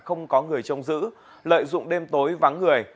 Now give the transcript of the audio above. không có người trông giữ lợi dụng đêm tối vắng người